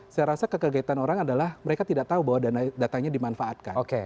saya rasa kekegatan orang adalah mereka tidak tahu bahwa datanya dimanfaatkan